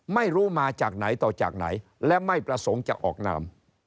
ไม่รู้มาจากไหนต่อจากไหนและไม่ประสงค์จะออกนาม